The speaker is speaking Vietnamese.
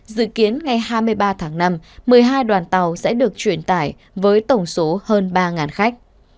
dự kiến ngày hai mươi ba tháng năm một mươi hai đoàn tàu sẽ được truyền tải với tổng số hơn ba khách